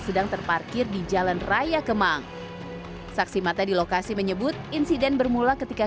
sedang terparkir di jalan raya kemang saksi mata di lokasi menyebut insiden bermula ketika